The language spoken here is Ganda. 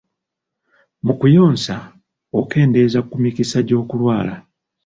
Mu kuyonsa, okendeeza ku mikisa gy'okulwala.